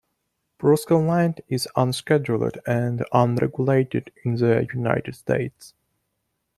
Proscaline is unscheduled and unregulated in the United States.